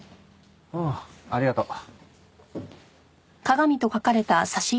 ああありがとう。